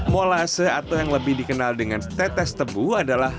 molase atau yang lebih dikenal dengan tetes tebu adalah